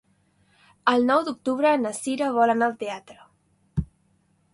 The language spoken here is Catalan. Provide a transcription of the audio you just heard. El nou d'octubre na Cira vol anar al teatre.